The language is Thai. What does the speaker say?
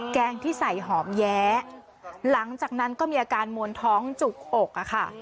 แกงที่ใส่หอมแย้หลังจากนั้นก็มีอาการมวลท้องจุกอกอะค่ะ